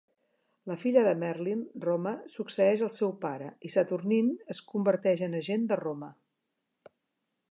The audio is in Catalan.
La filla de Merlyn, Roma, succeeix al seu pare, i Saturnyne es converteix en agent de Roma.